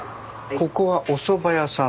ここはおそば屋さん。